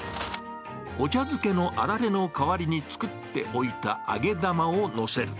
お茶漬けのあられの代わりに作っておいた揚げ玉を載せる。